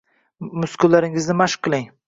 muskullaringizni mashq qiling